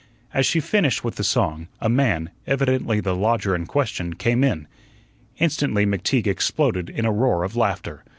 As she finished with the song, a man, evidently the lodger in question, came in. Instantly McTeague exploded in a roar of laughter.